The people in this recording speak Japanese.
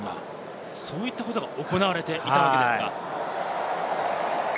そういったことが行われていたわけですか。